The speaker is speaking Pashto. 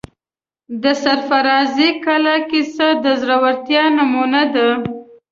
د سرافرازۍ قلعې کیسه د زړه ورتیا نمونه ده.